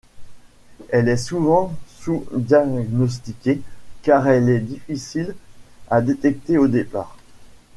Elle est souvent sous-diagnostiquée car elle est difficile à détecter au départ.